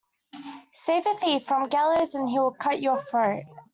Save a thief from the gallows and he will cut your throat.